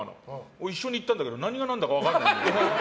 一緒に行ったんだけど何が何だか分からない。